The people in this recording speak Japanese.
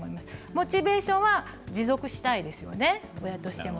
モチベーションは持続したいですよね、親としても。